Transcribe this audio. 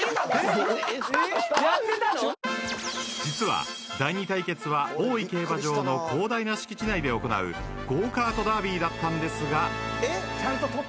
［実は第２対決は大井競馬場の広大な敷地内で行うゴーカートダービーだったんですが］